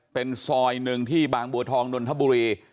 เป็นซอยหนึ่งที่บางบัวทองนนทบุรี